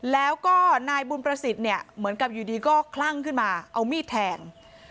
แล้วก็นายบุญประสิทธิ์เนี่ยเหมือนกับอยู่ดีก็คลั่งขึ้นมาเอามีดแทง